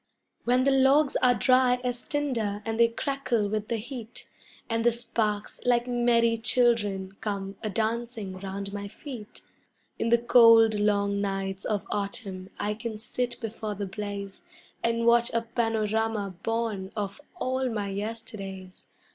When the logs are dry as tinder and they crackle with the heat, And the sparks, like merry children, come a dancing round my feet, In the cold, long nights of autumn I can sit before the blaze And watch a panorama born of all my yesterdays.